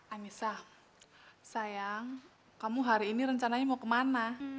amisah sayang kamu hari ini rencananya mau kemana